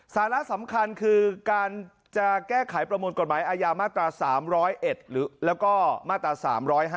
สาระสำคัญคือการจะแก้ไขประมวลกฎหมายอาญามาตรา๓๐๑แล้วก็มาตรา๓๕